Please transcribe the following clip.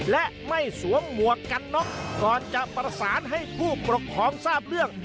และไม่สวมหมวกกันน็อกก่อนจะประสานให้ผู้ปกครองทราบเรื่อง